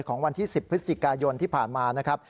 ของวันที่๑๐พฤศจิกายนที่ผ่านมา